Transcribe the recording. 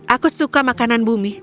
aku suka makanan bumi